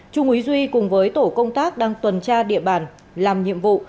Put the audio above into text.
trung úy duy cùng với tổ công tác đang tuần tra địa bàn làm nhiệm vụ